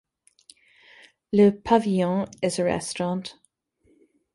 Le Pavillon is an restaurant.